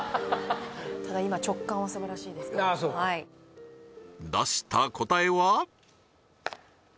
ただ今直感はすばらしいですけどあっそうか出した答えは？